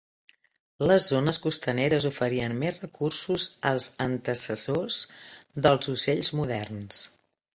Les zones costaneres oferien més recursos als antecessors dels ocells moderns.